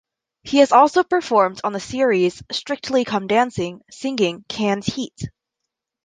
He has also performed on the series "Strictly Come Dancing" singing "Canned Heat".